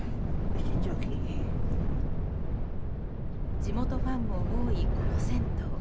地元ファンも多い、この銭湯。